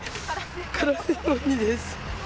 カラス用にです。